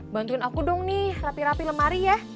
bantuin aku dong nih rapi rapi lemari ya